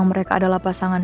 gak makasih buat kamu